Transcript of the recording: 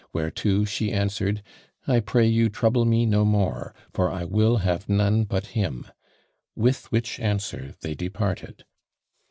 whereto she answered, I pray you trouble me no more; for I will have none but him. With which answer they departed.